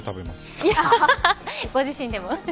ご自身でも。